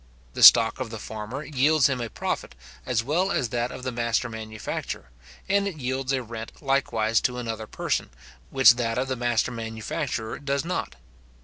The stock of the farmer yields him a profit, as well as that of the master manufacturer; and it yields a rent likewise to another person, which that of the master manufacturer does not.